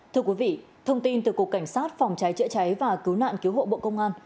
thưa quý vị thông tin từ cục cảnh sát phòng cháy chữa cháy và cứu nạn cứu hộ bộ công an